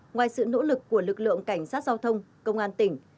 ngoài sự nỗ lực của lực lượng cảnh sát giao thông công an tỉnh